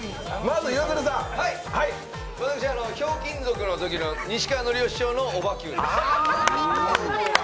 私、ひょうきん族のときの西川のりお師匠のオバＱです。